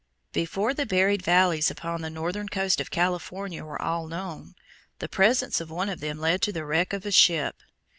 Before the buried valleys upon the northern coast of California were all known, the presence of one of them led to the wreck of a ship.